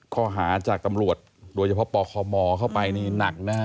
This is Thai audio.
ข้อหาจากตำรวจโดยเฉพาะปคมเข้าไปนี่หนักนะฮะ